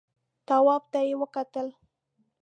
تواب ته يې وکتل.